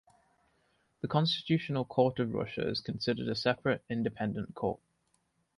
The Constitutional Court of Russia is considered a separate, independent court.